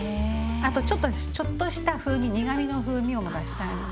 あとちょっとした風味苦みの風味も出したいので。